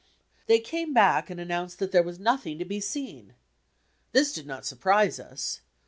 They came back and announced that there was nothing to be seen. This did not surprise us.